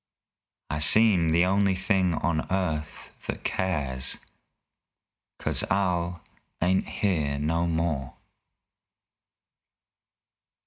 I seem the only thing on earth that cares 'Cause Al ain't here no more!